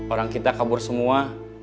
orang kita kabur semua